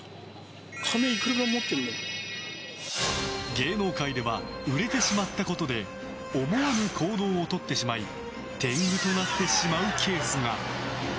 芸能界では売れてしまったことで思わぬ行動をとってしまい天狗となってしまうケースが。